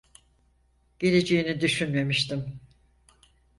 Geleceğini düşünmemiştim.